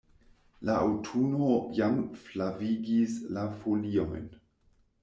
La aŭtuno jam flavigis la foliojn.